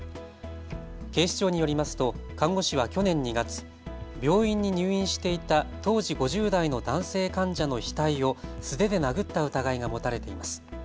警視庁によりますと看護師は去年２月、病院に入院していた当時５０代の男性患者の額を素手で殴った疑いが持たれています。